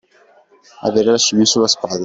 Avere la scimmia sulla spalla.